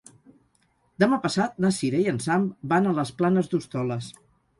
Demà passat na Sira i en Sam van a les Planes d'Hostoles.